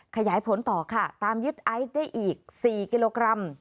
ขยายผลต่อค่ะตามยึดไอซ์ได้อีก๔กิโลกรัม